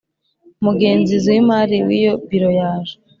Umugenzuzi w imari w iyo biro yaje